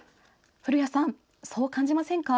古谷さん、そう感じませんか？